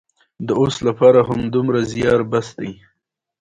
جانداد د هڅونې سرچینه دی.